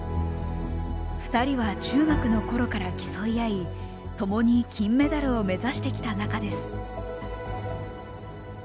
２人は中学の頃から競い合い共に金メダルを目指してきた仲です。